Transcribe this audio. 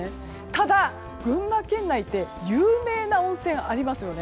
ただ、群馬県内って有名な温泉ありますよね。